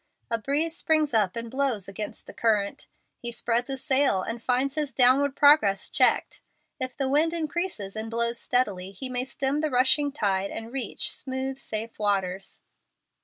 A breeze springs up and blows against the current. He spreads a sail and finds his downward progress checked. If the wind increases and blows steadily, he may stem the rushing tide and reach smooth, safe waters.